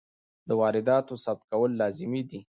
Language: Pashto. د وارداتو ثبت کول لازمي دي.